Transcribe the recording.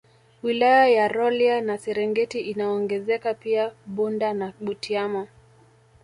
Wilaya ya Rolya na Serengeti inaongezeka pia Bunda na Butiama